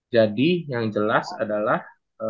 jadi yang jelas adalah